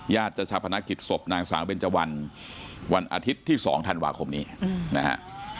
ญาติจัชภณะกิจศพนางสาวเบนเจ้าวันวันอาทิตย์ที่๒ธันวาคมนี้นะฮะ